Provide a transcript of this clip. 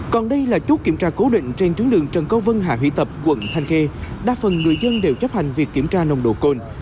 còn đây là chốt kiểm tra cố định trên tuyến đường trần câu vân hạ hủy tập quận thanh khê đa phần người dân đều chấp hành việc kiểm tra nồng độ cồn